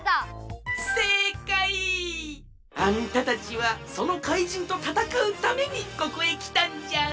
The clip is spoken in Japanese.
せいかい！あんたたちはそのかいじんとたたかうためにここへきたんじゃ！